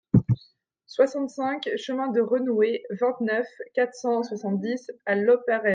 soixante-cinq chemin de Reunouet, vingt-neuf, quatre cent soixante-dix à Loperhet